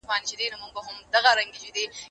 ته ولي کتابونه ليکې،